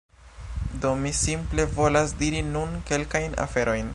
Do mi simple volas diri nun kelkajn aferojn